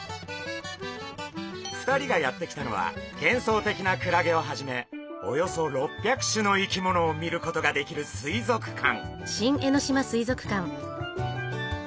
２人がやって来たのはげんそうてきなクラゲをはじめおよそ６００種の生き物を見ることができる水族館。